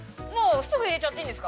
◆すぐ入れちゃっていいんですか。